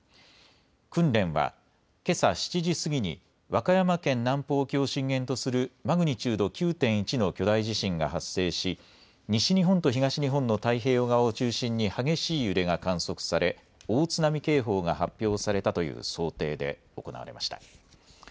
訓練はけさ７時過ぎに和歌山県南方沖を震源とするマグニチュード９．１の巨大地震が発生し、西日本と東日本の太平洋側を中心に激しい揺れが観測され大津波警報が発表されたという想定で行われました。